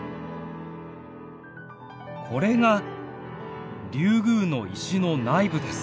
これがリュウグウの石の内部です。